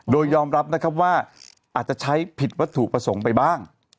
โดยยอมรับนะครับว่าอาจจะใช้ผิดวัตถุประสงค์ไปบ้าง